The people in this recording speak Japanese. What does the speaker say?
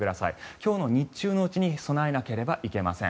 今日の日中のうちに備えなければいけません。